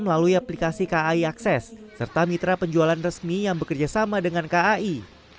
melalui aplikasi kai akses serta mitra penjualan resmi yang bekerja sama dengan kai